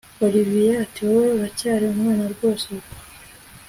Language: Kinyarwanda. Olivier atiwowe uracyari umwana rwose ubwo